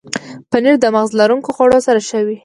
پنېر د مغز لرونکو خوړو سره ښه وي.